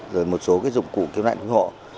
rồi một số dụng cụ kiếm lại ủng hộ